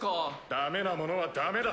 ダメなものはダメだ。